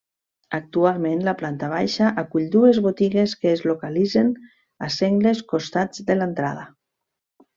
Actualment la planta baixa acull dues botigues que es localitzen a sengles costats de l'entrada.